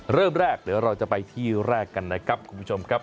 เริ่มแรกเดี๋ยวเราจะไปที่แรกกันนะครับคุณผู้ชมครับ